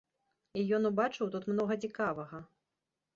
І ён убачыў тут многа цікавага.